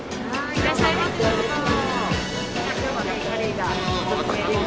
いらっしゃいませどうぞ。